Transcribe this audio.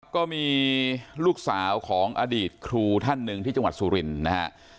ก็มีลูกสาวของอดีตครูท่านหนึ่งที่จังหวัดสุรินทร์นะฮะ